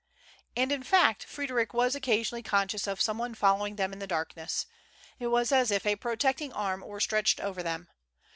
And in fact Frederic was occasionally conscious of some one following them in the darkness. It was as if a protecting arm were stretched over them.